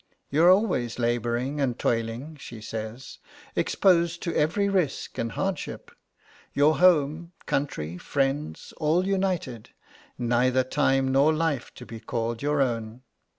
'You are always labouring and toiling,' she says, 'exposed to every risk and hardship. Your home, country, friends, all united; neither time nor life to be called your own.